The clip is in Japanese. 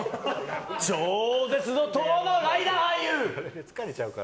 超絶怒涛のライダー俳優！